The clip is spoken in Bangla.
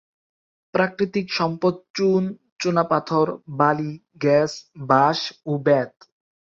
প্রাকৃতিক সম্পদ চুন, চুনাপাথর, বালি, গ্যাস, বাঁশ ও বেত।